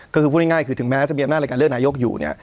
ก็คือพูดง่ายคือถึงแม้จะมีอำนาจในการเลือกนายกอยู่เนี่ย